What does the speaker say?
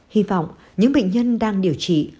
hy vọng những bệnh nhân đang điều trị